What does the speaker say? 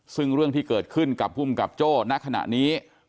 ซึ่งเรื่องที่เกิดขึ้นกับภูมิกับโจ้ในขณะนี้